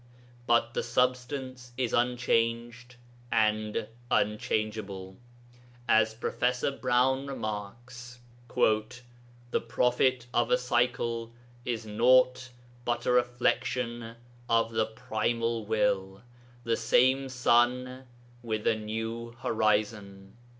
But the substance is unchanged and unchangeable. As Prof. Browne remarks, 'the prophet of a cycle is naught but a reflexion of the Primal Will, the same sun with a new horizon.'